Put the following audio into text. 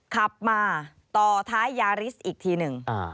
ขับมาต่อท้ายยาริสอีกทีหนึ่ง